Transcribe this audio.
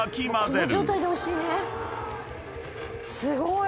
すごい。